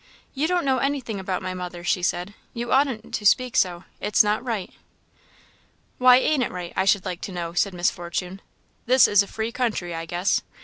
"You don't know anything about my mother," she said. "You oughtn't to speak so it's not right." "Why ain't it right, I should like to know?" said Miss Fortune; "this is a free country, I guess.